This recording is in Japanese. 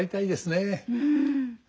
うん。